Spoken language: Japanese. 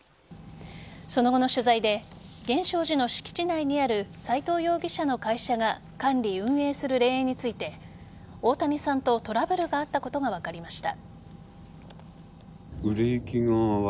その後の取材で源証寺の敷地内にある斎藤容疑者の会社が管理・運営する霊園について大谷さんとトラブルがあったことが分かりました。